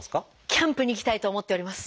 キャンプに行きたいと思っております。